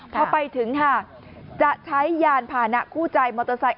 พอไปถึงค่ะจะใช้ยานพานะคู่ใจมอเตอร์ไซค์